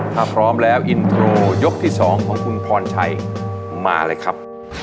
ถ้าพร้อมแล้วอินโทรยกที่๒ของคุณพรชัยมาเลยครับ